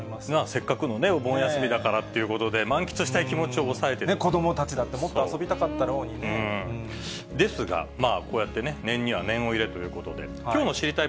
せっかくのお盆休みだからということで、子どもたちだってもっと遊びですが、こうやってね、念には念を入れるということで、きょうの知りたいッ！